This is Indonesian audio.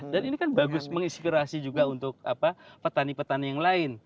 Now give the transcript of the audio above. dan ini kan bagus menginspirasi juga untuk petani petani yang lain